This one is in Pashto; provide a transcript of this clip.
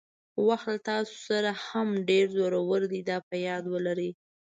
وخت له تاسو هم ډېر زړور دی دا په یاد ولرئ.